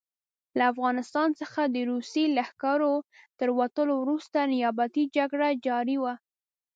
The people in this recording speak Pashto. له افغانستان څخه د روسي لښکرو تر وتلو وروسته نیابتي جګړه جاري وه.